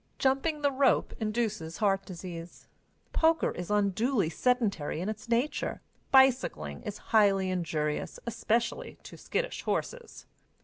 Jumping the rope induces heart disease. Poker is unduly sedentary in its nature. Bicycling is highly injurious, especially to skittish horses.